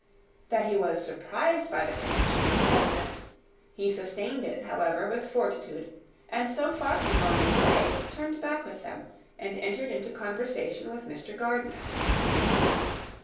That he was surprised by the connection was evident: he sustained it, however, with fortitude: and, so far from going away, turned back with them, and entered into conversation with Mr. Gardiner.